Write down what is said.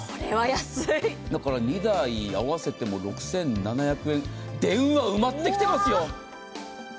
だから、２台合わせても６７００円電話埋まってきてますよ。